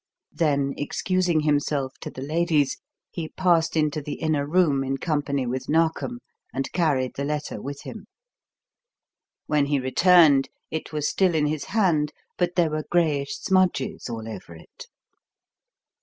Then, excusing himself to the ladies, he passed into the inner room in company with Narkom, and carried the letter with him. When he returned it was still in his hand, but there were greyish smudges all over it.